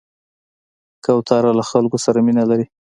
کوتره له خلکو سره مینه لري.